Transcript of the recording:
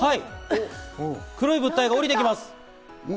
黒い物体が下りてきます。